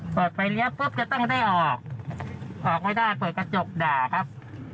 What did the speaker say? เปิดไฟเลี้ยวปุ๊บจะต้องได้ออกออกไม่ได้เปิดกระจกด่าครับ